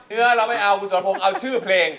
เนื้อเราไม่เอาคุณสรพงศ์เอาชื่อเพลง